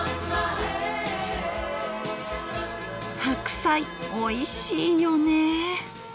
白菜おいしいよね！